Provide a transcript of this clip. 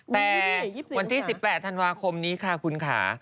แต่วันที่๑๘ธันวาคมนี้ค่ะคุณค่ะ